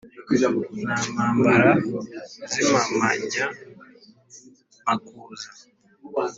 Na Mpambara n'Impamanyamakuza